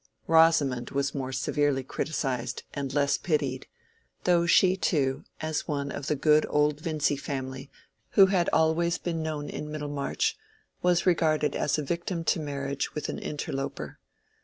Rosamond was more severely criticised and less pitied, though she too, as one of the good old Vincy family who had always been known in Middlemarch, was regarded as a victim to marriage with an interloper.